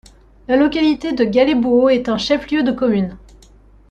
La localité de Galébouo est un chef-lieu de commune.